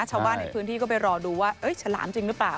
ชาวบ้านในพื้นที่ก็ไปรอดูว่าฉลามจริงหรือเปล่า